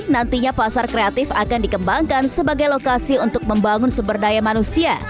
nantinya pasar kreatif akan dikembangkan sebagai lokasi untuk membangun sumber daya manusia